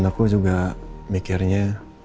aku juga mikirnya